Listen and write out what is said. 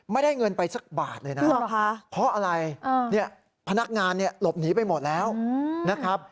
ไม่ได้เงินไปสักบาทเลยนะเพราะอะไรเนี่ยพนักงานเนี่ยหลบหนีไปหมดแล้วนะครับ